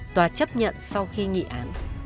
tòa chấp nhận sau khi nghị án